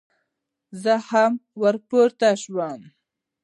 زه هم ور پورته شوم.